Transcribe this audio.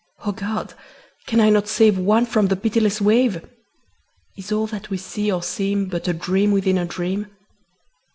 O God! can I not save One from the pitiless wave? Is all that we see or seem But a dream within a dream?